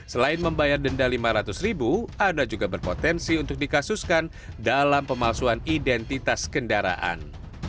selain membayar denda lima ratus ribu anda juga berpotensi untuk dikasuskan dalam pemalsuan identitas kendaraan